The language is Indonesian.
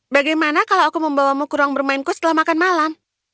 bagaimana kalau aku membawamu ke ruang bermainku setelah makan malam